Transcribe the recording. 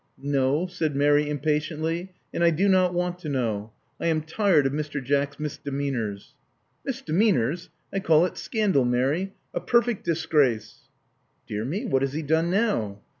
No," said Mary impatiently; "and I do not want to know. I am tired of Mr. Jack's misdemeanors." Misdemeanors! I call it scandal, Mary. A per fect disgrace!" "Dear me! What has he done now?'